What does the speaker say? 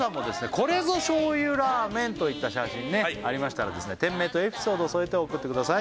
これぞ醤油ラーメンといった写真ねありましたら店名とエピソードを添えて送ってください